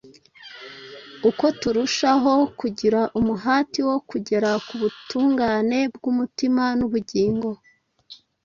Uko turushaho kugira umuhati wo kugera ku butungane bw’umutima n’ubugingo,